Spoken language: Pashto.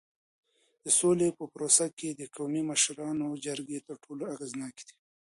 د سولې په پروسه کي د قومي مشرانو جرګې تر ټولو اغیزناکي دي.